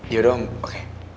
yaudah om oke